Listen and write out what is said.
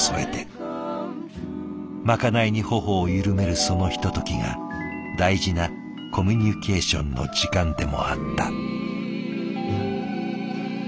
まかないに頬を緩めるそのひとときが大事なコミュニケーションの時間でもあった。